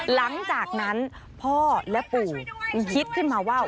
หลังจากนั้นพ่อและปู่คิดขึ้นมาว่า